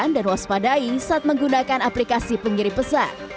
anda harus menghentikan dan waspadai saat menggunakan aplikasi penggiri pesan